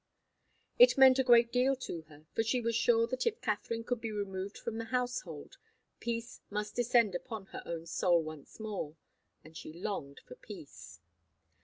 It meant a great deal to her, for she was sure that if Katharine could be removed from the household, peace must descend upon her own soul once more, and she longed for peace.